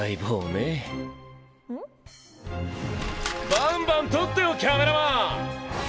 バンバン撮ってよキャメラマン！